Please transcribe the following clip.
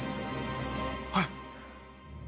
はい。